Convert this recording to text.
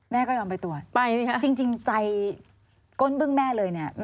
แม่ก็ยอมไปตรวจจริงใจก้นบึ้งแม่เลยเนี่ย